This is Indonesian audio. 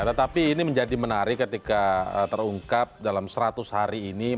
tetapi ini menjadi menarik ketika terungkap dalam seratus hari ini